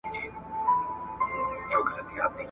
په زګېروي لېوه ورږغ کړله چي وروره